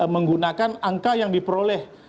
menggunakan angka yang diperoleh